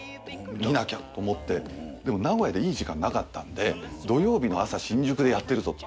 見なきゃ！と思ってでも名古屋でいい時間なかったんで土曜日の朝新宿でやってるぞと。